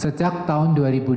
sejak tahun dua ribu dua puluh